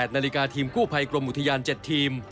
นาฬิกาทีมกู้ภัยกรมอุทยาน๗ทีม